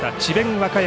和歌山。